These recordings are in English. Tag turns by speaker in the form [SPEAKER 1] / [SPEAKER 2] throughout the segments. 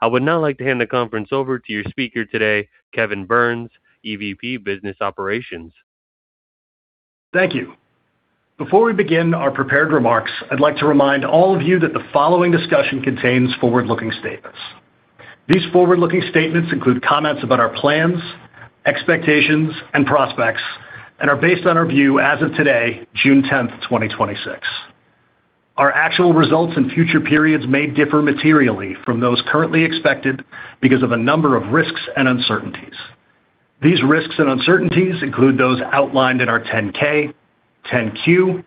[SPEAKER 1] I would now like to hand the conference over to your speaker today, Kevin Burns, EVP, Business Operations.
[SPEAKER 2] Thank you. Before we begin our prepared remarks, I'd like to remind all of you that the following discussion contains forward-looking statements. These forward-looking statements include comments about our plans, expectations, and prospects and are based on our view as of today, June 10th, 2026. Our actual results in future periods may differ materially from those currently expected because of a number of risks and uncertainties. These risks and uncertainties include those outlined in our 10-K, 10-Q,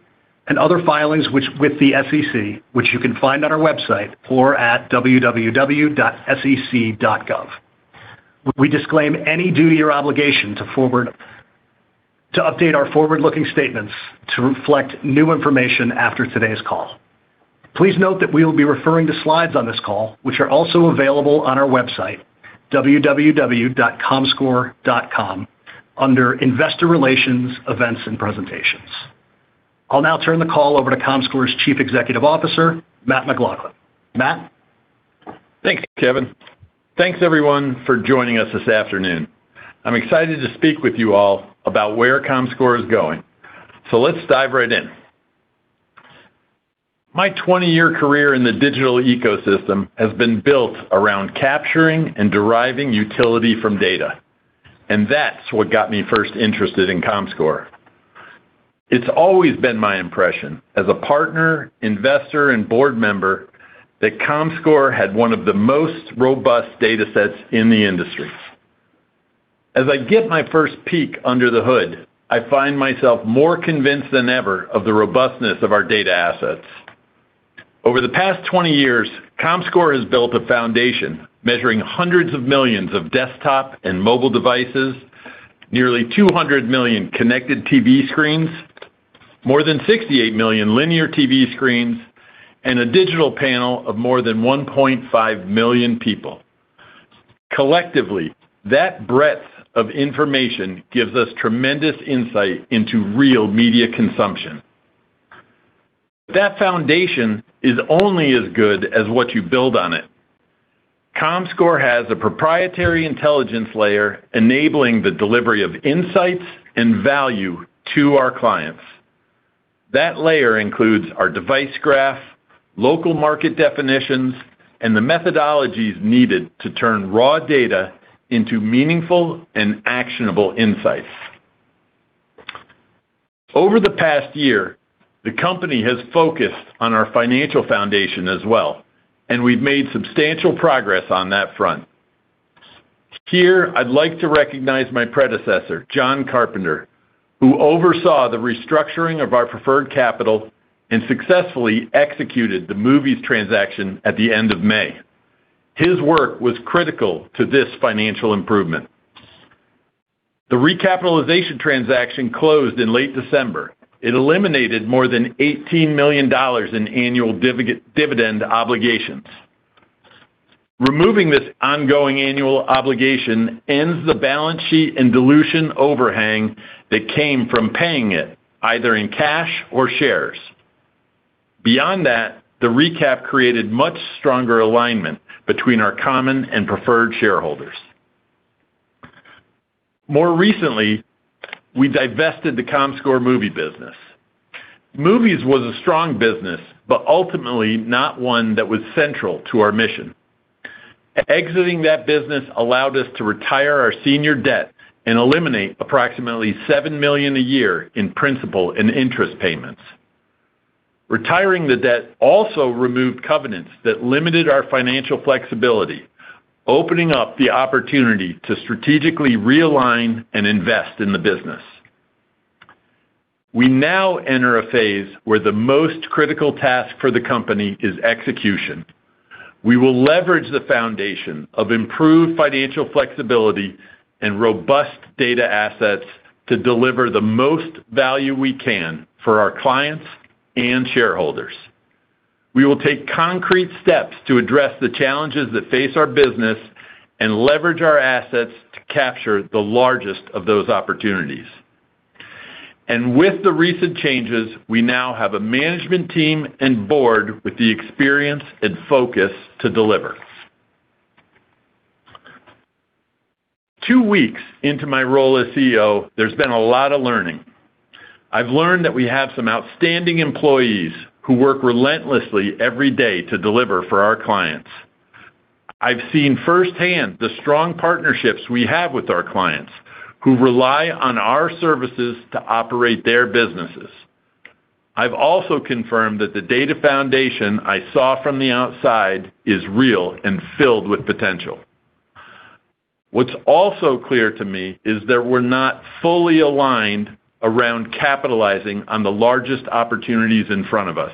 [SPEAKER 2] and other filings with the SEC, which you can find on our website or at www.sec.gov. We disclaim any duty or obligation to update our forward-looking statements to reflect new information after today's call. Please note that we will be referring to slides on this call, which are also available on our website, www.comscore.com, under Investor Relations, Events, and Presentations. I'll now turn the call over to Comscore's Chief Executive Officer, Matt McLaughlin. Matt?
[SPEAKER 3] Thanks, Kevin. Thanks, everyone, for joining us this afternoon. I'm excited to speak with you all about where Comscore is going. Let's dive right in. My 20-year career in the digital ecosystem has been built around capturing and deriving utility from data, and that's what got me first interested in Comscore. It's always been my impression, as a partner, investor, and Board Member, that Comscore had one of the most robust data sets in the industry. As I get my first peek under the hood, I find myself more convinced than ever of the robustness of our data assets. Over the past 20 years, Comscore has built a foundation measuring hundreds of millions of desktop and mobile devices, nearly 200 million connected TV screens, more than 68 million linear TV screens, and a digital panel of more than 1.5 million people. Collectively, that breadth of information gives us tremendous insight into real media consumption. That foundation is only as good as what you build on it. Comscore has a proprietary intelligence layer enabling the delivery of insights and value to our clients. That layer includes our device graph, local market definitions, and the methodologies needed to turn raw data into meaningful and actionable insights. Over the past year, the company has focused on our financial foundation as well, and we've made substantial progress on that front. Here, I'd like to recognize my predecessor, Jon Carpenter, who oversaw the restructuring of our preferred capital and successfully executed the Movies transaction at the end of May. His work was critical to this financial improvement. The recapitalization transaction closed in late December. It eliminated more than $18 million in annual dividend obligations. Removing this ongoing annual obligation ends the balance sheet and dilution overhang that came from paying it, either in cash or shares. The recap created much stronger alignment between our common and preferred shareholders. We divested the Comscore Movies business. Movies were a strong business, ultimately not one that was central to our mission. Exiting that business allowed us to retire our senior debt and eliminate approximately $7 million a year in principal and interest payments. Retiring the debt also removed covenants that limited our financial flexibility, opening up the opportunity to strategically realign and invest in the business. We now enter a phase where the most critical task for the company is execution. We will leverage the foundation of improved financial flexibility and robust data assets to deliver the most value we can for our clients and shareholders. We will take concrete steps to address the challenges that face our business and leverage our assets to capture the largest of those opportunities. With the recent changes, we now have a management team and board with the experience and focus to deliver. Two weeks into my role as CEO, there's been a lot of learning. I've learned that we have some outstanding employees who work relentlessly every day to deliver for our clients. I've seen firsthand the strong partnerships we have with our clients, who rely on our services to operate their businesses. I've also confirmed that the data foundation I saw from the outside is real and filled with potential. What's also clear to me is that we're not fully aligned around capitalizing on the largest opportunities in front of us.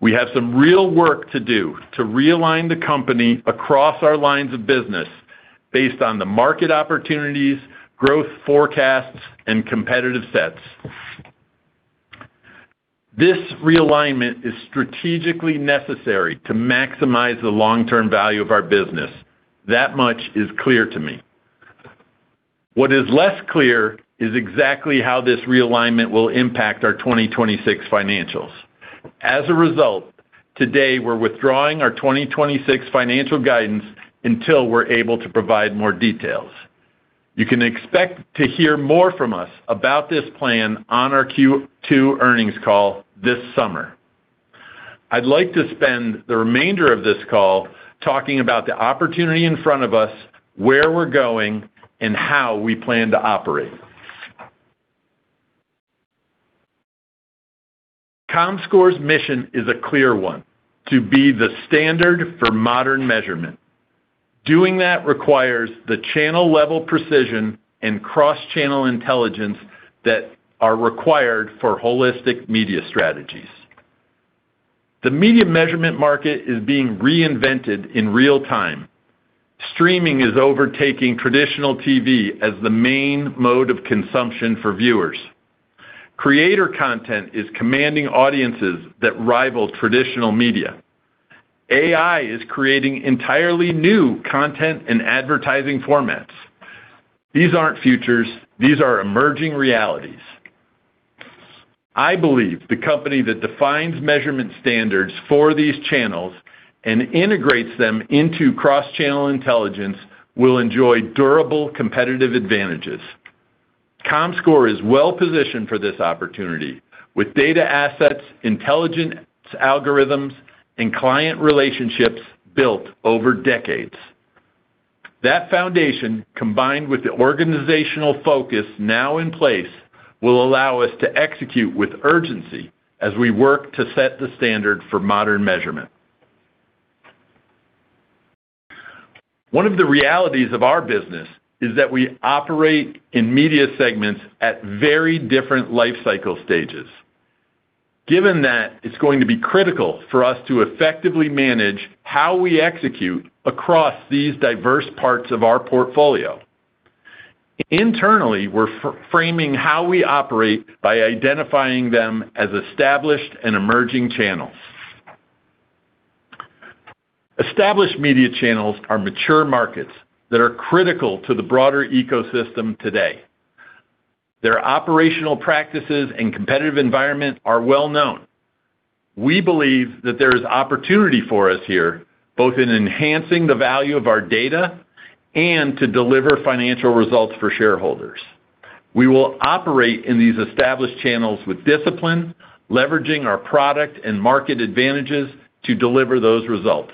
[SPEAKER 3] We have some real work to do to realign the company across our lines of business based on the market opportunities, growth forecasts, and competitive sets. This realignment is strategically necessary to maximize the long-term value of our business. That much is clear to me. What is less clear is exactly how this realignment will impact our 2026 financials. Today, we're withdrawing our 2026 financial guidance until we're able to provide more details. You can expect to hear more from us about this plan on our Q2 earnings call this summer. I'd like to spend the remainder of this call talking about the opportunity in front of us, where we're going, and how we plan to operate. Comscore's mission is a clear one, to be the standard for modern measurement. Doing that requires the channel-level precision and cross-channel intelligence that are required for holistic media strategies. The media measurement market is being reinvented in real-time. Streaming is overtaking traditional TV as the main mode of consumption for viewers. Creator content is commanding audiences that rival traditional media. AI is creating entirely new content and advertising formats. These aren't futures; these are emerging realities. I believe the company that defines measurement standards for these channels and integrates them into cross-channel intelligence will enjoy durable competitive advantages. Comscore is well-positioned for this opportunity with data assets, intelligent algorithms, and client relationships built over decades. That foundation, combined with the organizational focus now in place, will allow us to execute with urgency as we work to set the standard for modern measurement. One of the realities of our business is that we operate in media segments at very different life cycle stages. Given that, it's going to be critical for us to effectively manage how we execute across these diverse parts of our portfolio. Internally, we're framing how we operate by identifying them as established and emerging channels. Established media channels are mature markets that are critical to the broader ecosystem today. Their operational practices and competitive environment are well-known. We believe that there is opportunity for us here, both in enhancing the value of our data and to deliver financial results for shareholders. We will operate in these established channels with discipline, leveraging our product and market advantages to deliver those results.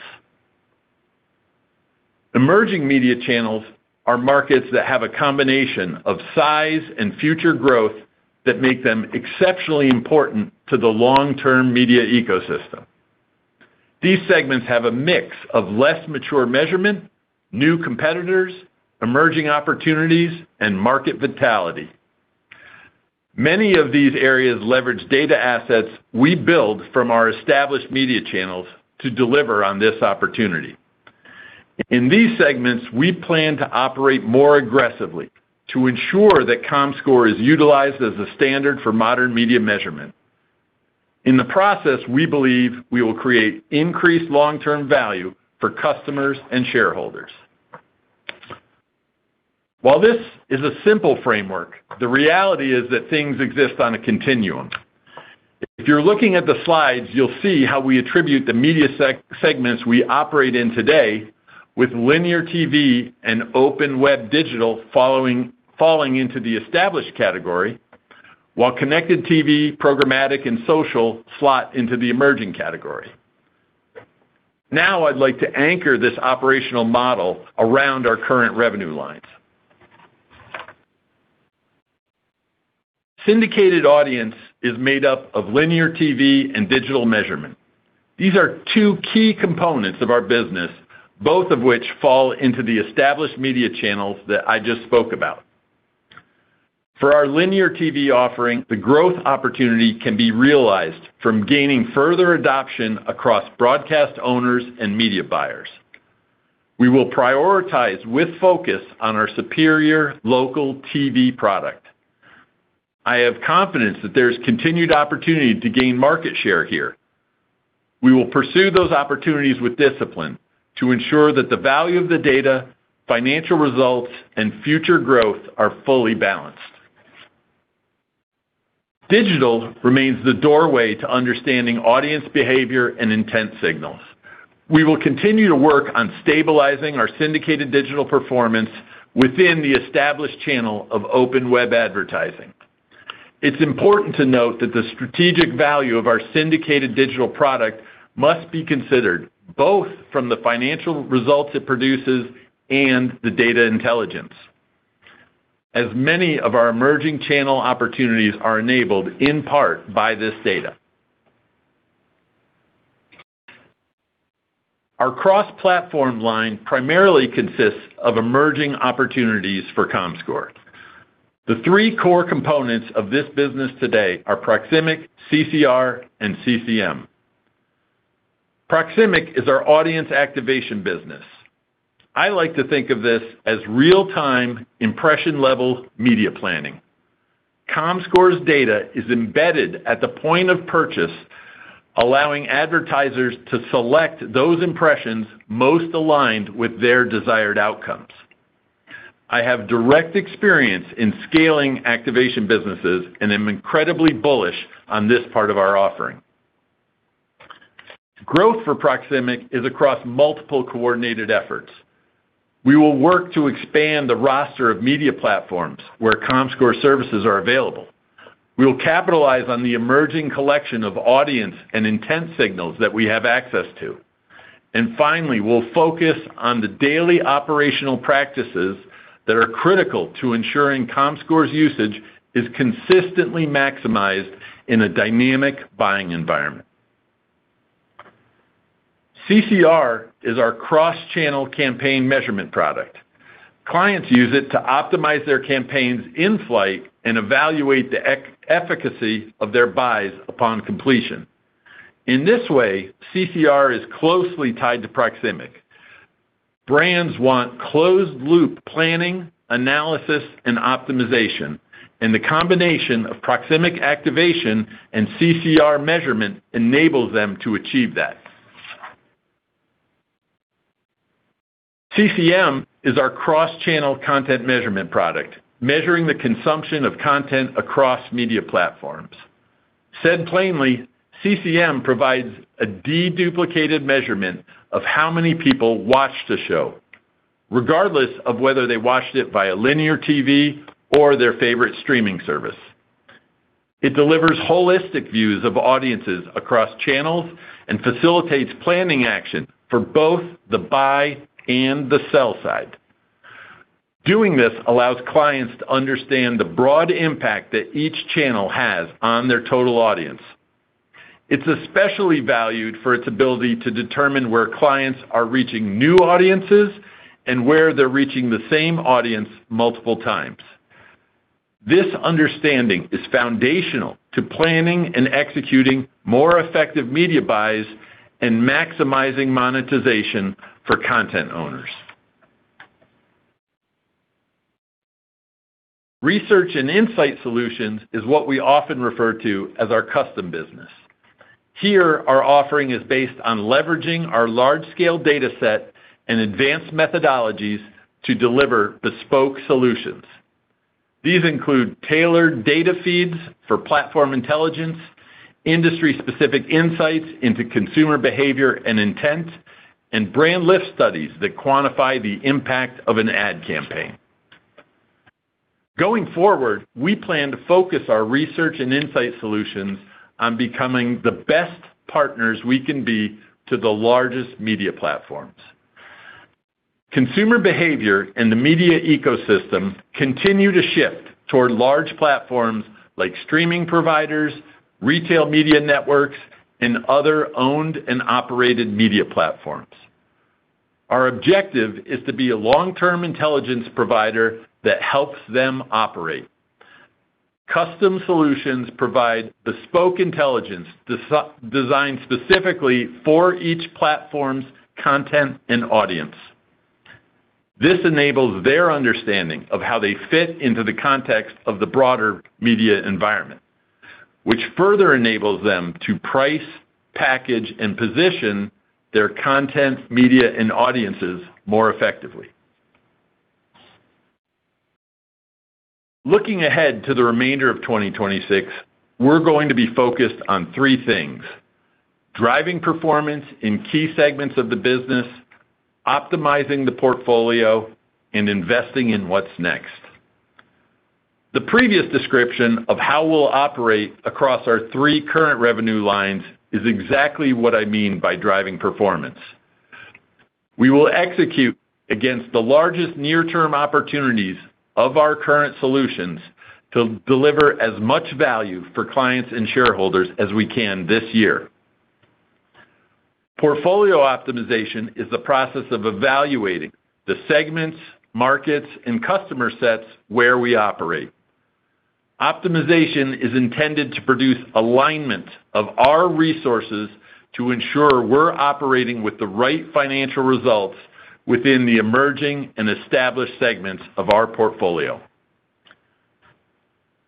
[SPEAKER 3] Emerging media channels are markets that have a combination of size and future growth that make them exceptionally important to the long-term media ecosystem. These segments have a mix of less mature measurements, new competitors, emerging opportunities, and market vitality. Many of these areas leverage data assets we build from our established media channels to deliver on this opportunity. In these segments, we plan to operate more aggressively to ensure that Comscore is utilized as a standard for modern media measurement. In the process, we believe we will create increased long-term value for customers and shareholders. While this is a simple framework, the reality is that things exist on a continuum. If you're looking at the slides, you'll see how we attribute the media segments we operate in today with linear TV and open web digital falling into the established category, while connected TV, programmatic, and social slot into the emerging category. I'd like to anchor this operational model around our current revenue lines. A syndicated audience is made up of linear TV and digital measurement. These are two key components of our business, both of which fall into the established media channels that I just spoke about. For our linear TV offering, the growth opportunity can be realized from gaining further adoption across broadcast owners and media buyers. We will prioritize with a focus on our superior local TV product. I have confidence that there's continued opportunity to gain market share here. We will pursue those opportunities with discipline to ensure that the value of the data, financial results, and future growth are fully balanced. Digital remains the doorway to understanding audience behavior and intent signals. We will continue to work on stabilizing our syndicated digital performance within the established channel of open web advertising. It's important to note that the strategic value of our syndicated digital product must be considered, both from the financial results it produces and the data intelligence, as many of our emerging channel opportunities are enabled in part by this data. Our cross-platform line primarily consists of emerging opportunities for Comscore. The three core components of this business today are Proximic, CCR, and CCM. Proximic is our audience activation business. I like to think of this as real-time impression-level media planning. Comscore's data is embedded at the point of purchase, allowing advertisers to select those impressions most aligned with their desired outcomes. I have direct experience in scaling activation businesses and am incredibly bullish on this part of our offering. Growth for Proximic is across multiple coordinated efforts. We will work to expand the roster of media platforms where Comscore services are available. We will capitalize on the emerging collection of audience and intent signals that we have access to. Finally, we'll focus on the daily operational practices that are critical to ensuring Comscore's usage is consistently maximized in a dynamic buying environment. CCR is our cross-channel campaign measurement product. Clients use it to optimize their campaigns in flight and evaluate the efficacy of their buys upon completion. In this way, CCR is closely tied to Proximic. Brands want closed-loop planning, analysis, and optimization, and the combination of Proximic activation and CCR measurement enables them to achieve that. CCM is our cross-channel content measurement product, measuring the consumption of content across media platforms. Said plainly, CCM provides a de-duplicated measurement of how many people watched a show, regardless of whether they watched it via linear TV or their favorite streaming service. It delivers holistic views of audiences across channels and facilitates planning action for both the buy-side and the sell-side. Doing this allows clients to understand the broad impact that each channel has on their total audience. It's especially valued for its ability to determine where clients are reaching new audiences and where they're reaching the same audience multiple times. This understanding is foundational to planning and executing more effective media buys and maximizing monetization for content owners. Research and insight solutions is what we often refer to as our custom business. Here, our offering is based on leveraging our large-scale dataset and advanced methodologies to deliver bespoke solutions. These include tailored data feeds for platform intelligence, industry-specific insights into consumer behavior and intent, and brand lift studies that quantify the impact of an ad campaign. Going forward, we plan to focus our research and insight solutions on becoming the best partners we can be to the largest media platforms. Consumer behavior and the media ecosystem continue to shift toward large platforms like streaming providers, retail media networks, and other owned and operated media platforms. Our objective is to be a long-term intelligence provider that helps them operate. Custom solutions provide bespoke intelligence designed specifically for each platform's content and audience. This enables their understanding of how they fit into the context of the broader media environment, which further enables them to price, package, and position their content, media, and audiences more effectively. Looking ahead to the remainder of 2026, we're going to be focused on three things: driving performance in key segments of the business, optimizing the portfolio, and investing in what's next. The previous description of how we'll operate across our three current revenue lines is exactly what I mean by driving performance. We will execute against the largest near-term opportunities of our current solutions to deliver as much value for clients and shareholders as we can this year. Portfolio optimization is the process of evaluating the segments, markets, and customer sets where we operate. Optimization is intended to produce alignment of our resources to ensure we're operating with the right financial results within the emerging and established segments of our portfolio.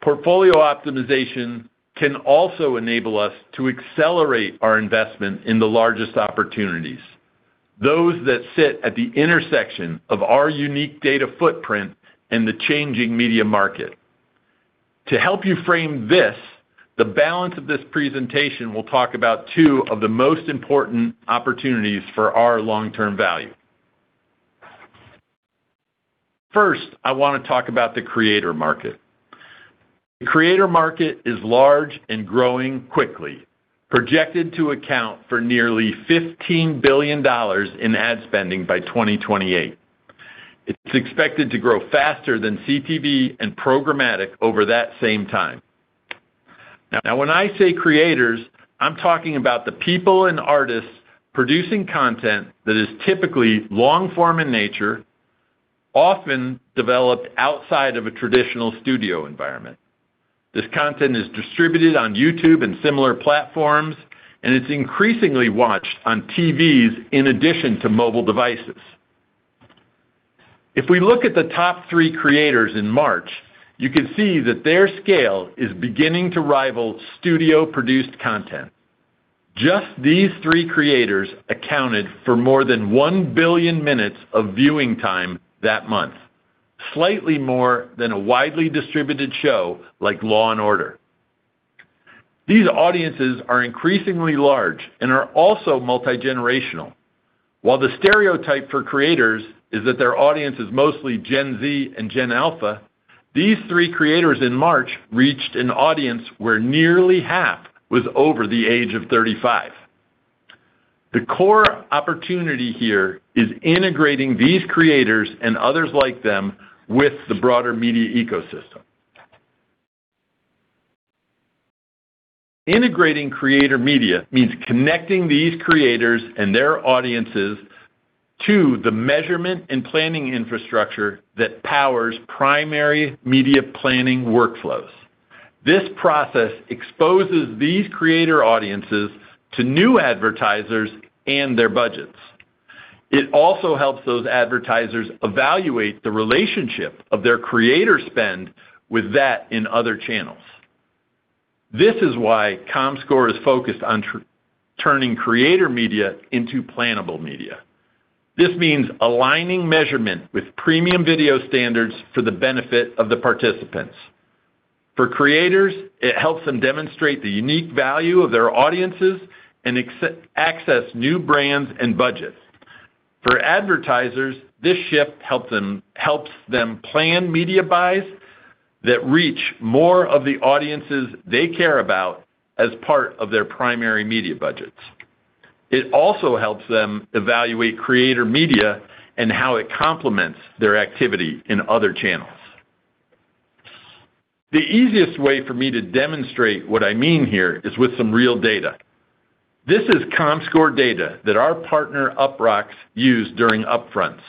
[SPEAKER 3] Portfolio optimization can also enable us to accelerate our investment in the largest opportunities, those that sit at the intersection of our unique data footprint and the changing media market. To help you frame this, the balance of this presentation will talk about two of the most important opportunities for our long-term value. First, I want to talk about the creator market. The creator market is large and growing quickly, projected to account for nearly $15 billion in ad spending by 2028. It's expected to grow faster than CTV and programmatic over that same time. When I say creators, I'm talking about the people and artists producing content that is typically long-form in nature, often developed outside of a traditional studio environment. This content is distributed on YouTube and similar platforms; it's increasingly watched on TVs in addition to mobile devices. If we look at the top three creators in March, you can see that their scale is beginning to rival studio-produced content. Just these three creators accounted for more than one billion minutes of viewing time that month, slightly more than a widely distributed show like "Law & Order." These audiences are increasingly large and are also multigenerational. While the stereotype for creators is that their audience is mostly Gen Z and Gen Alpha, these three creators in March reached an audience where nearly half was over the age of 35. The core opportunity here is integrating these creators, and others like them, with the broader media ecosystem. Integrating creator media means connecting these creators and their audiences to the measurement and planning infrastructure that powers primary media planning workflows. This process exposes these creator audiences to new advertisers and their budgets. It also helps those advertisers evaluate the relationship of their creator spend with that in other channels. This is why Comscore is focused on turning creator media into plannable media. This means aligning measurement with premium video standards for the benefit of the participants. For creators, it helps them demonstrate the unique value of their audiences and access new brands and budgets. For advertisers, this shift helps them plan media buys that reach more of the audiences they care about as part of their primary media budgets. It also helps them evaluate creator media and how it complements their activity in other channels. The easiest way for me to demonstrate what I mean here is with some real data. This is Comscore data that our partner, Uproxx, used during upfronts.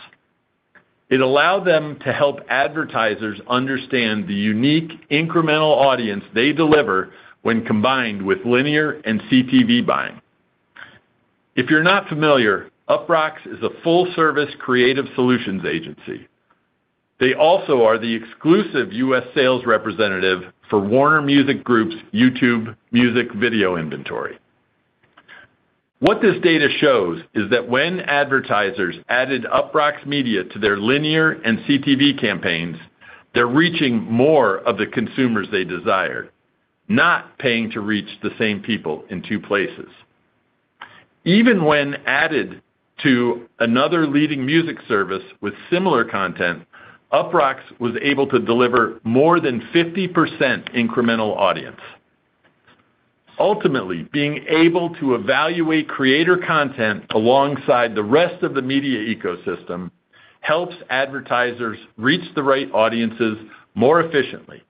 [SPEAKER 3] It allowed them to help advertisers understand the unique incremental audience they deliver when combined with linear and CTV buying. If you're not familiar, Uproxx is a full-service creative solutions agency. They also are the exclusive U.S. sales representative for Warner Music Group's YouTube music video inventory. What this data shows is that when advertisers added Uproxx Media to their linear and CTV campaigns, they're reaching more of the consumers they desire and not paying to reach the same people in two places. Even when added to another leading music service with similar content, Uproxx was able to deliver more than 50% incremental audience. Ultimately, being able to evaluate creator content alongside the rest of the media ecosystem helps advertisers reach the right audiences more efficiently,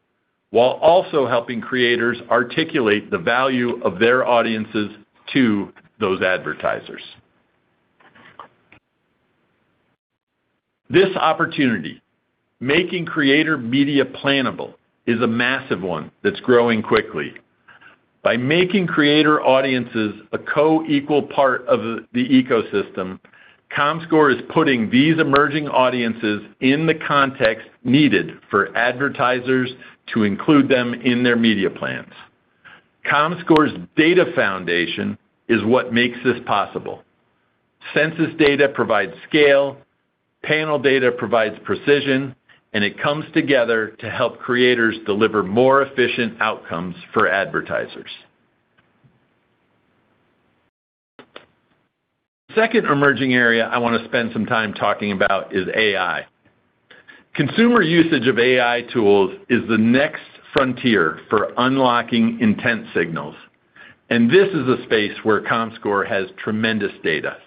[SPEAKER 3] while also helping creators articulate the value of their audiences to those advertisers. This opportunity, making creator media plannable, is a massive one that's growing quickly. By making creator audiences a co-equal part of the ecosystem, Comscore is putting these emerging audiences in the context needed for advertisers to include them in their media plans. Comscore's data foundation is what makes this possible. Census data provides scale, and panel data provides precision; they come together to help creators deliver more efficient outcomes for advertisers. Second emerging area I want to spend some time talking about is AI. Consumer usage of AI tools is the next frontier for unlocking intent signals. This is a space where Comscore has tremendous data.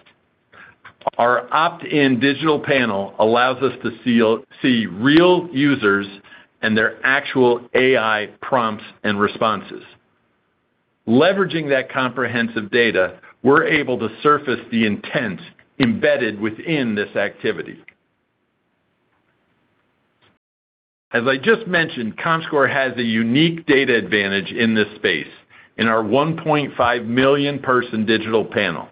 [SPEAKER 3] Our opt-in digital panel allows us to see real users and their actual AI prompts and responses. Leveraging that comprehensive data, we're able to surface the intent embedded within this activity. As I just mentioned, Comscore has a unique data advantage in this space in our 1.5 million-person digital panel.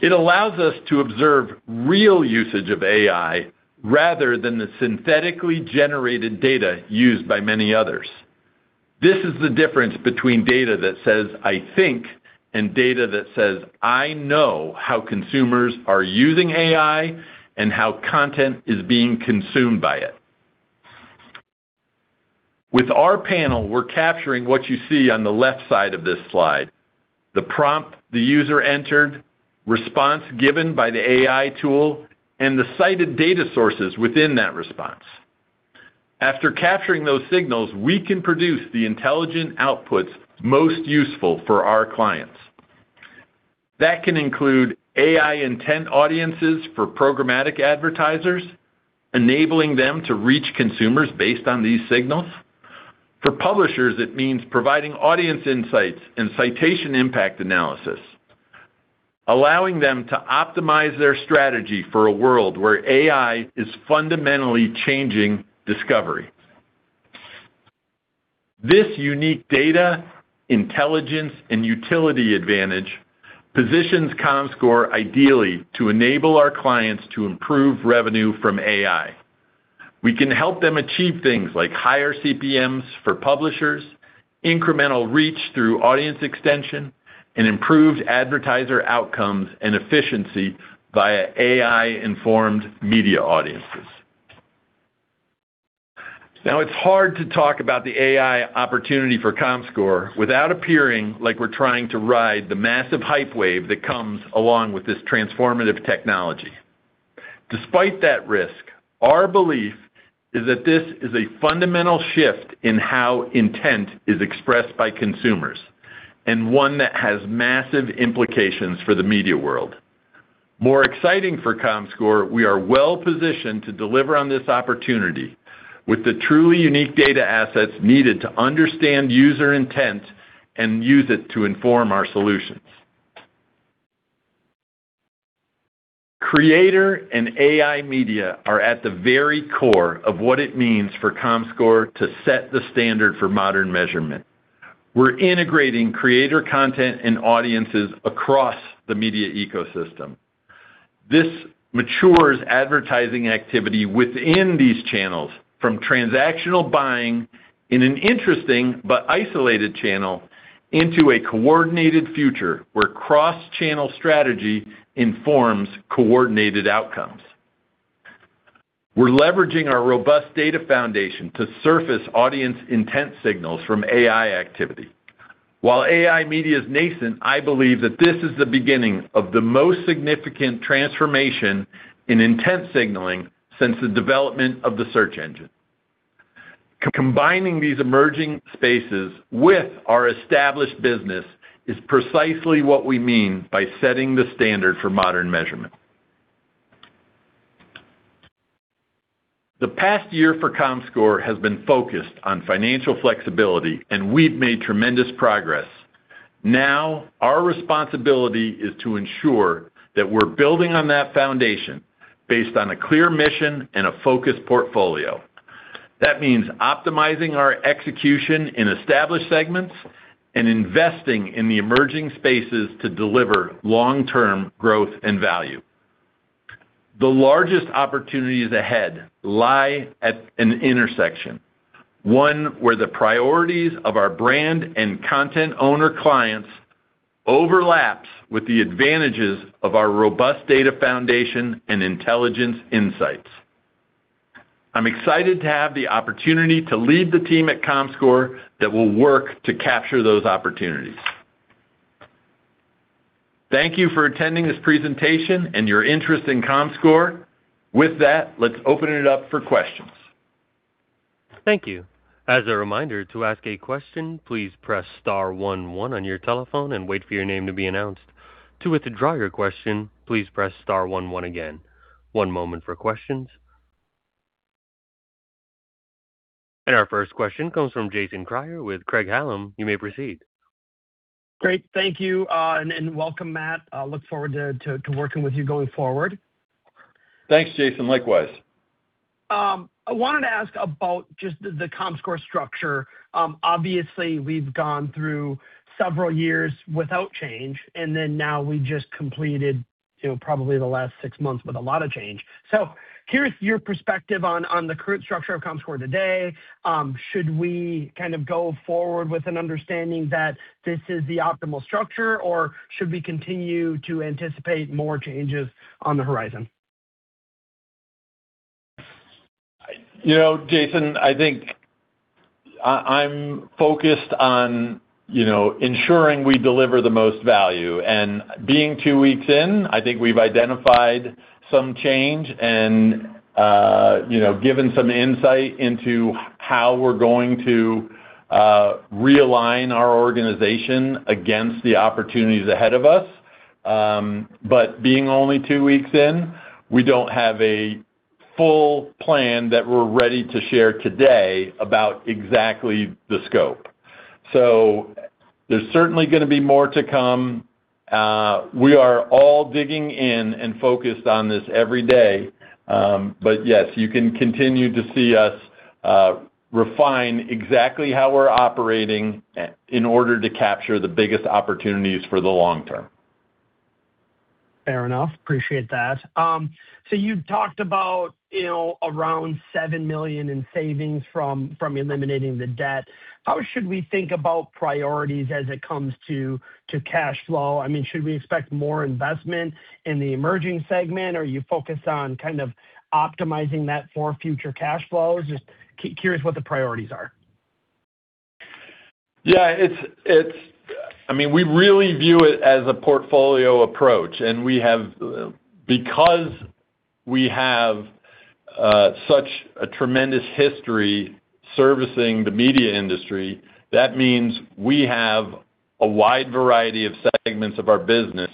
[SPEAKER 3] It allows us to observe real usage of AI rather than the synthetically generated data used by many others. This is the difference between data that says, I think and data that says, I know how consumers are using AI and how content is being consumed by it. With our panel, we're capturing what you see on the left side of this slide: the prompt the user entered, the response given by the AI tool, and the cited data sources within that response. After capturing those signals, we can produce the intelligent outputs most useful for our clients. That can include AI intent audiences for programmatic advertisers, enabling them to reach consumers based on these signals. For publishers, it means providing audience insights and citation impact analysis, allowing them to optimize their strategy for a world where AI is fundamentally changing discovery. This unique data intelligence and utility advantage positions Comscore ideally to enable our clients to improve revenue from AI. We can help them achieve things like higher CPMs for publishers, incremental reach through audience extension, improved advertiser outcomes, and efficiency via AI-informed media audiences. It's hard to talk about the AI opportunity for Comscore without appearing like we're trying to ride the massive hype wave that comes along with this transformative technology. Despite that risk, our belief is that this is a fundamental shift in how intent is expressed by consumers, one that has massive implications for the media world. More exciting for Comscore, we are well-positioned to deliver on this opportunity with the truly unique data assets needed to understand user intent and use it to inform our solutions. Creator and AI media are at the very core of what it means for Comscore to set the standard for modern measurement. We're integrating creator content and audiences across the media ecosystem. This matures advertising activity within these channels from transactional buying in an interesting but isolated channel into a coordinated future where cross-channel strategy informs coordinated outcomes. We're leveraging our robust data foundation to surface audience intent signals from AI activity. While AI media is nascent, I believe that this is the beginning of the most significant transformation in intent signaling since the development of the search engine. Combining these emerging spaces with our established business is precisely what we mean by setting the standard for modern measurement. The past year for Comscore has been focused on financial flexibility. We've made tremendous progress. Our responsibility is to ensure that we're building on that foundation based on a clear mission and a focused portfolio. That means optimizing our execution in established segments and investing in the emerging spaces to deliver long-term growth and value. The largest opportunities ahead lie at an intersection, one where the priorities of our brand and content owner clients overlap with the advantages of our robust data foundation and intelligence insights. I'm excited to have the opportunity to lead the team at Comscore that will work to capture those opportunities. Thank you for attending this presentation and your interest in Comscore. With that, let's open it up for questions.
[SPEAKER 1] Thank you. As a reminder, to ask a question, please press star one-one on your telephone and wait for your name to be announced. To withdraw your question, please press star one-one again. One moment for questions. Our first question comes from Jason Kreyer with Craig-Hallum. You may proceed.
[SPEAKER 4] Great. Thank you, and welcome, Matt. I look forward to working with you going forward.
[SPEAKER 3] Thanks, Jason. Likewise.
[SPEAKER 4] I wanted to ask about just the Comscore structure. Obviously, we've gone through several years without change, now we just completed probably the last six months with a lot of change. Curious your perspective on the current structure of Comscore today. Should we kind of go forward with an understanding that this is the optimal structure, or should we continue to anticipate more changes on the horizon?
[SPEAKER 3] Jason, I think I'm focused on ensuring we deliver the most value. Being two weeks in, I think we've identified some change and given some insight into how we're going to realign our organization against the opportunities ahead of us. Being only two weeks in, we don't have a full plan that we're ready to share today about exactly the scope. There's certainly going to be more to come. We are all digging in and focused on this every day. Yes, you can continue to see us refine exactly how we're operating in order to capture the biggest opportunities for the long term.
[SPEAKER 4] Fair enough. Appreciate that. You talked about around $7 million in savings from eliminating the debt. How should we think about priorities as it comes to cash flow? Should we expect more investment in the emerging segment, or are you focused on kind of optimizing that for future cash flows? Just curious what the priorities are.
[SPEAKER 3] Yeah. We really view it as a portfolio approach because we have such a tremendous history servicing the media industry; that means we have a wide variety of segments of our business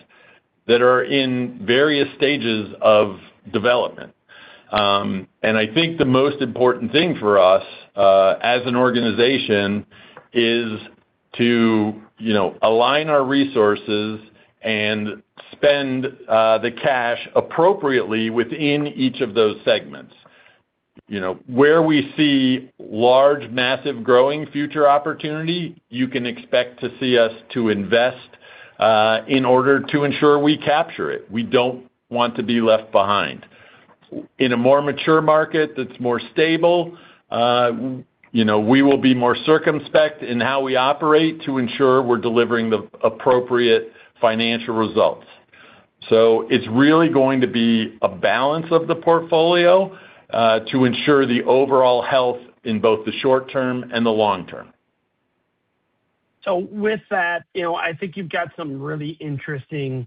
[SPEAKER 3] that are in various stages of development. I think the most important thing for us, as an organization, is to align our resources and spend the cash appropriately within each of those segments. Where we see large, massive, growing future opportunity, you can expect to see us to invest in order to ensure we capture it. We don't want to be left behind. In a more mature market that's more stable, we will be more circumspect in how we operate to ensure we're delivering the appropriate financial results. It's really going to be a balance of the portfolio, to ensure the overall health in both the short term and the long term.
[SPEAKER 4] With that, I think you've got some really interesting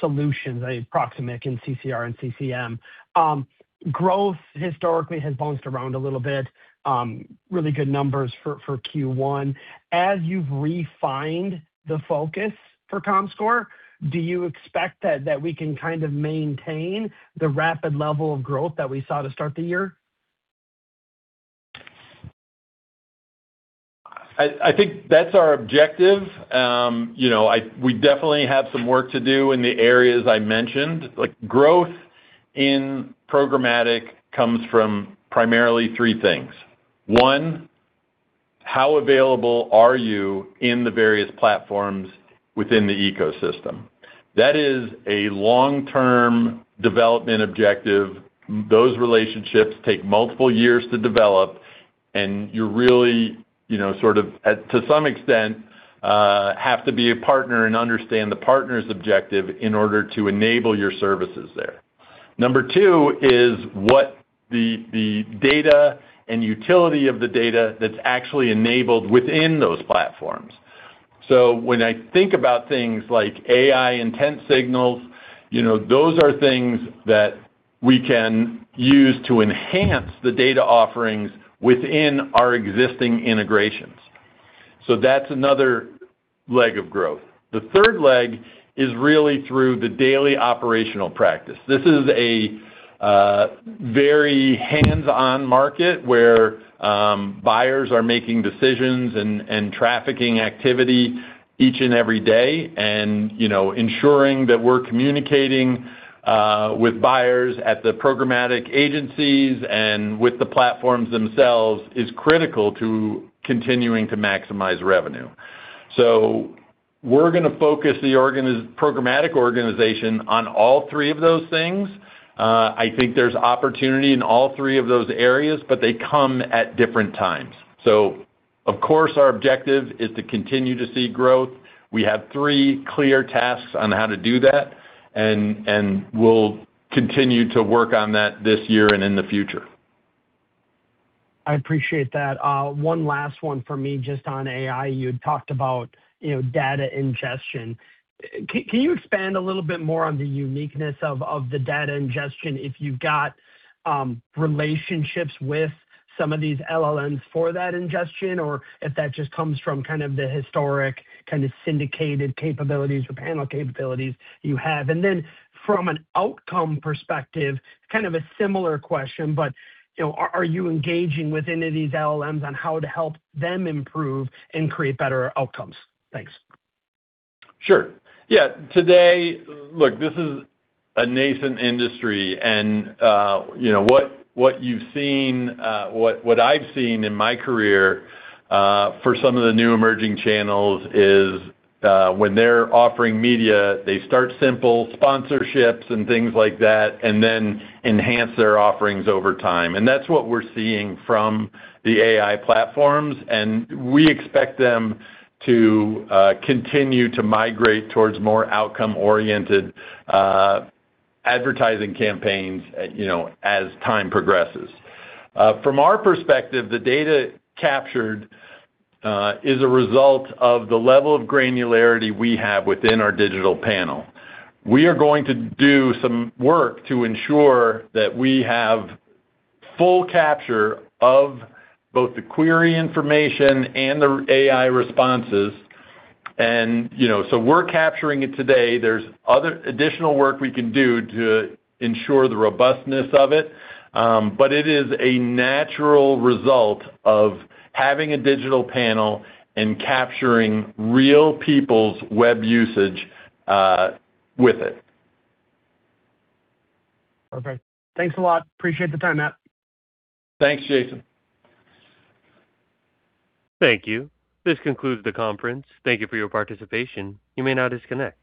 [SPEAKER 4] solutions, Proximic and CCR and CCM. Growth historically has bounced around a little bit. Really good numbers for Q1. As you've refined the focus for Comscore, do you expect that we can kind of maintain the rapid level of growth that we saw to start the year?
[SPEAKER 3] I think that's our objective. We definitely have some work to do in the areas I mentioned. Growth in programmatic comes from primarily three things. First, how available are you on the various platforms within the ecosystem? That is a long-term development objective. Those relationships take multiple years to develop, and you're really sort of, to some extent, have to be a partner and understand the partner's objective in order to enable your services there. Number two is the data and utility of the data that's actually enabled within those platforms. When I think about things like AI intent signals, those are things that we can use to enhance the data offerings within our existing integrations. That's another leg of growth. The third leg is really through the daily operational practice. This is a very hands-on market, where buyers are making decisions and trafficking activity each and every day, and ensuring that we're communicating with buyers at the programmatic agencies and with the platforms themselves is critical to continuing to maximize revenue. We're going to focus the programmatic organization on all three of those things. I think there's opportunity in all three of those areas, but they come at different times. Of course, our objective is to continue to see growth. We have three clear tasks on how to do that, and we'll continue to work on that this year and in the future.
[SPEAKER 4] I appreciate that. One last one for me, just on AI. You had talked about data ingestion. Can you expand a little bit more on the uniqueness of the data ingestion if you've got relationships with some of these LLM for that ingestion, or if that just comes from kind of the historic, kind of syndicated capabilities or panel capabilities you have? From an outcome perspective, it's kind of a similar question, but are you engaging with any of these LLM on how to help them improve and create better outcomes? Thanks.
[SPEAKER 3] Sure. Today, look, this is a nascent industry, and what you've seen, what I've seen in my career, for some of the new emerging channels is when they're offering media, they start simple sponsorships and things like that and then enhance their offerings over time. That's what we're seeing from the AI platforms, and we expect them to continue to migrate towards more outcome-oriented advertising campaigns as time progresses. From our perspective, the data captured is a result of the level of granularity we have within our digital panel. We are going to do some work to ensure that we have full capture of both the query information and the AI responses. So we're capturing it today. There's other additional work we can do to ensure the robustness of it, but it is a natural result of having a digital panel and capturing real people's web usage with it.
[SPEAKER 4] Perfect. Thanks a lot. Appreciate the time, Matt.
[SPEAKER 3] Thanks, Jason.
[SPEAKER 1] Thank you. This concludes the conference. Thank you for your participation. You may now disconnect.